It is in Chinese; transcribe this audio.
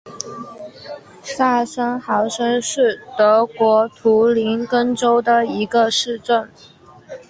萨森豪森是德国图林根州的一个市镇。